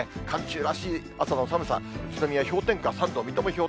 寒中らしい朝の寒さ、宇都宮は氷点下３度、水戸も